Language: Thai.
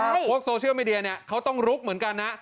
พวกโซเชียลเมดียาเขาจะต้องรุกเหมือนกันน่ะ